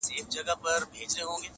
له بارانه دي ولاړ کړمه ناوې ته!!